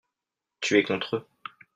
Tu es contre eux.